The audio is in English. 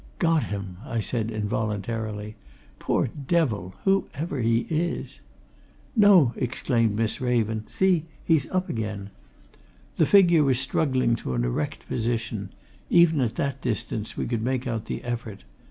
"Got him!" I said involuntarily. "Poor devil! whoever he is." "No!" exclaimed Miss Raven. "See! he's up again." The figure was struggling to an erect position even at that distance we could make out the effort.